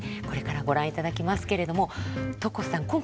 これからご覧いただきますけれども徳穂さん